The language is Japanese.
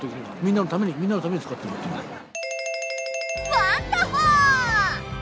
ワンダホー！